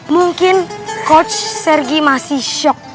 mungkin coach sergi masih shock